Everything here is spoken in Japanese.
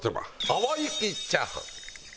淡雪チャーハン？